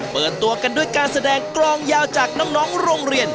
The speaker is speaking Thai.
เปิดตัวกันด้วยการแสดงกลองยาวจากน้องโรงเรียน